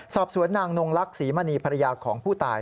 สอบสวนนางนงลักษีมณีภรรยาของผู้ตาย